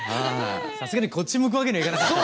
さすがにこっち向くわけにはいかなかった。